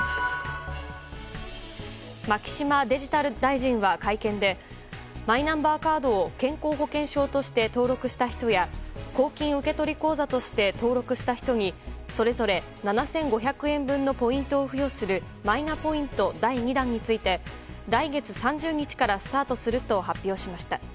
牧島デジタル大臣は会見でマイナンバーカードを健康保険証として登録した人や公金受取口座として登録した人にそれぞれ７５００円分のポイントを付与するマイナポイント第２弾について来月３０日からスタートすると発表しました。